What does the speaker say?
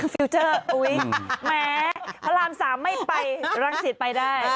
ฟิลเจอร์อุ๊ยแหมพระราม๓ไม่ไปรังสิตไปได้